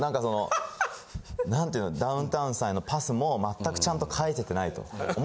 ハハッ！なんていうのダウンタウンさんへのパスも全くちゃんと返せてないと。